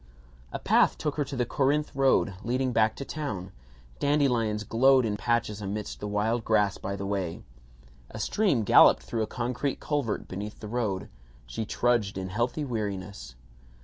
A path took her to the Corinth road, leading back to town. Dandelions glowed in patches amidst the wild grass by the way. A stream golloped through a concrete culvert beneath the road. She trudged in healthy weariness.